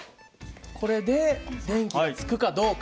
これで電気がつくかどうか。